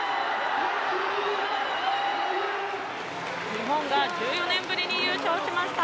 日本が１４年ぶりに優勝しました。